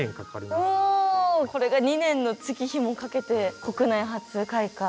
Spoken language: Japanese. これが２年の月日もかけて国内初開花。